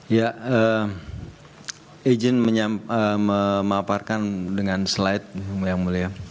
ya izin memaparkan dengan slide yang mulia